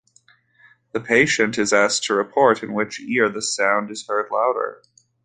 The patient is asked to report in which ear the sound is heard louder.